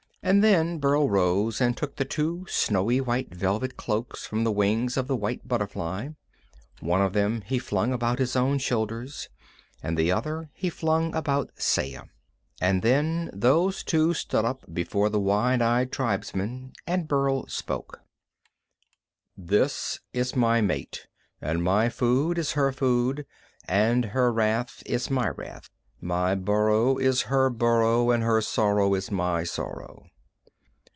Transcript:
And then Burl rose, and took the two snowy white velvet cloaks from the wings of the white butterfly. One of them he flung about his own shoulders, and the other he flung about Saya. And then those two stood up before the wide eyed tribesmen, and Burl spoke: "This is my mate, and my food is her food, and her wrath is my wrath. My burrow is her burrow, and her sorrow, my sorrow.